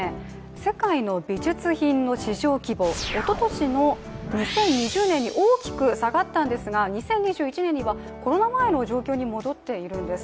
世界の美術品の市場規模、おととしの２０２０年に大きく下がったんですが２０２１年にはコロナ前の状況に戻っているんです